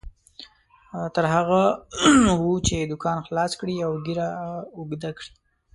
نر هغه وو چې دوکان خلاص کړي او ږیره اوږده کړي.